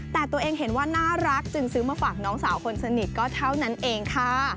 แต่ตัวเองเห็นว่าน่ารักจึงซื้อมาฝากน้องสาวคนสนิทก็เท่านั้นเองค่ะ